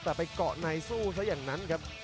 แต่ไปเกาะในสู้ซะอย่างนั้นครับ